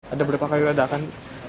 ada berapa kali ledakan